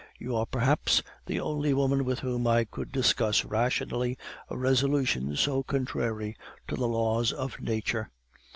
You are perhaps the only woman with whom I could discuss rationally a resolution so contrary to the laws of nature.